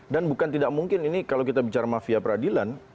dan bukan tidak mungkin ini kalau kita bicara mafia peradilan